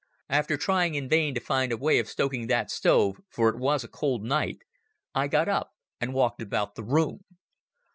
After trying in vain to find a way of stoking that stove, for it was a cold night, I got up and walked about the room.